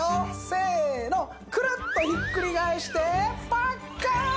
せのクルッとひっくり返してパッカーン！